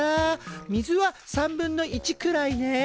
水は３分の１くらいね。